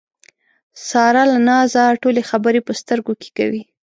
ساره له نازه ټولې خبرې په سترګو کې کوي.